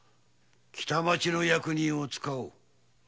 北町の役人を使おう。